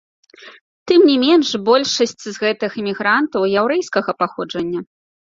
Тым не менш, большасць з гэтых імігрантаў яўрэйскага паходжання.